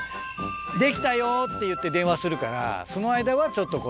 「できたよ」って言って電話するからその間はちょっとこう。